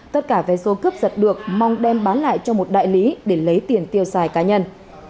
tất cả vé số cướp giật được mong đem bán lại cho một đại lý để lấy tiền tiêu xài cá nhân